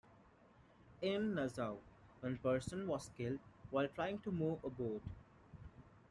In Nassau, one person was killed while trying to move a boat.